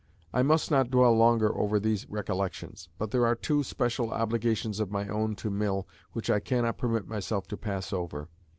I must not dwell longer over these recollections; but there are two special obligations of my own to Mill which I cannot permit myself to pass over.